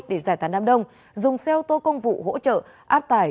để giải thán nam đông dùng xe ô tô công vụ hỗ trợ áp tải